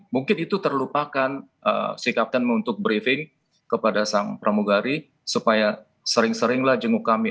mungkin itu terlupakan si kapten untuk briefing kepada sang pramugari supaya sering seringlah jenguk kami